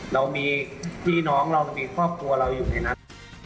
เรามีพี่น้องเรามีครอบครัวเราอยู่ในนั้น